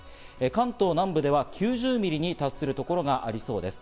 関東南部では９０ミリに達する所がありそうです。